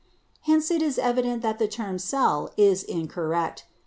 Hence it is evident that the term 'cell' is incorrect.